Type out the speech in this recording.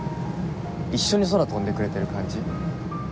一緒に空飛んでくれてる感じ。